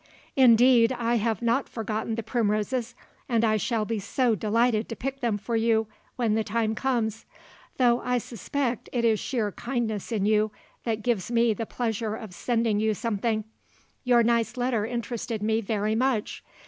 Indeed I have not forgotten the primroses and I shall be so delighted to pick them for you when the time comes, though I suspect it is sheer kindness in you that gives me the pleasure of sending you something. Your nice letter interested me very much.